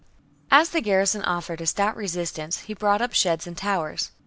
As the garrison offered a stout resistance, he brought up sheds and towers.